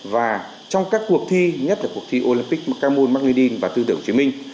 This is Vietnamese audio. và trong các cuộc thi nhất là cuộc thi olympic camel magazine và tư tưởng hồ chí minh